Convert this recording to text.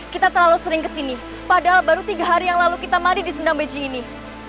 kita terlalu sering kesini padahal baru tiga hari yang lalu kita mandi di sendam beji ini